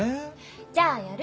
じゃあやる。